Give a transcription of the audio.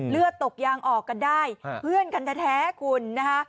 เลือดตกยางออกกันได้เพื่อนกันแท้คุณนะคะ